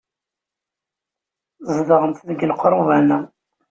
Zedɣent deg lqerban-a.